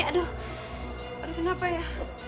aduh kenapa ya